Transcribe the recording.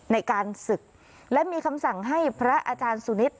ในการศึกและมีคำสั่งให้พระอาจารย์สุนิท